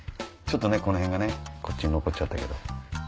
ちょっとこの辺がねこっち残っちゃったけど。